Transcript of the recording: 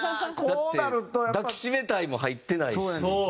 だって『抱きしめたい』も入ってないし。